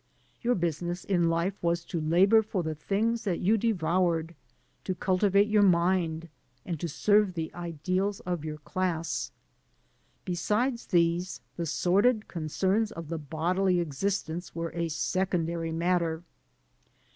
Your business in life was to labor for the things that you devoured, to cultivate your mind, and to serve the ideals of your class. Beside these, the sordid concerns of the bodily existence were a secondary matter.